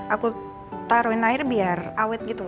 aku taruhin air biar awet gitu